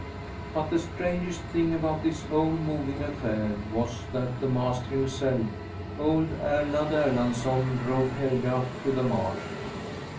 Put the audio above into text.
But the strangest thing about this whole moving affair was that the master himself, old Erland Erlandsson, drove Helga up to the marsh.